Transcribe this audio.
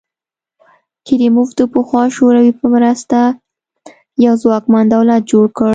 کریموف د پخوا شوروي په مرسته یو ځواکمن دولت جوړ کړ.